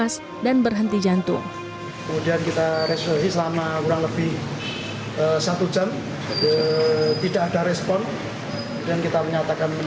sehingga terjadi berhenti nafas dan berhenti jantung